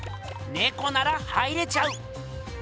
ねこなら入れちゃう！